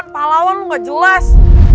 kamu tidak jelas